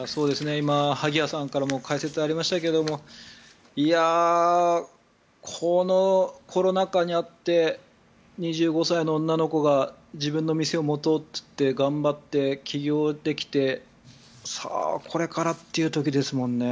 今、萩谷さんからも解説がありましたがこのコロナ禍にあって２５歳の女の子が自分の店を持とうといって頑張って、起業できてこれからという時ですもんね。